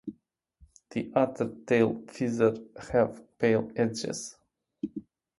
The outer tail feathers have pale edges.